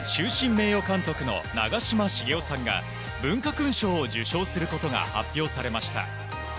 名誉監督の長嶋茂雄さんが文化勲章を受章することが発表されました。